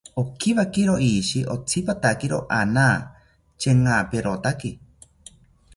Okiwakiro ishi otzipatakiro ana, chengaperotaki